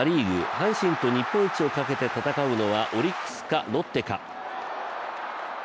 阪神と日本一をかけて戦うのはオリックスか、ロッテか。